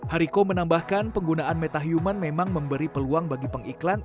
hariko menambahkan penggunaan metahuman memang memberi peluang bagi pengiklan